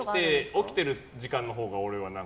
起きてる時間のほうが俺は。